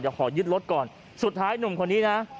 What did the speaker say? เดี๋ยวขอยึดรถก่อนสุดท้ายหนุ่มคนนี้นะ